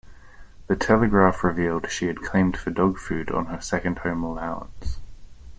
The "Telegraph" revealed she had claimed for dog food on her second home allowance.